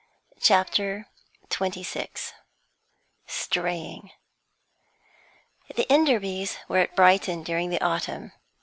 CHAPTER XXVI STRAYING The Enderbys were at Brighton during the autumn.